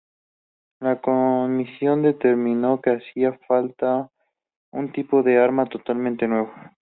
La Comisión determinó que hacía falta un tipo de arma totalmente nuevo.